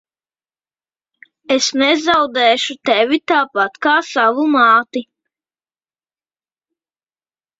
Es nezaudēšu tevi tāpat kā savu māti.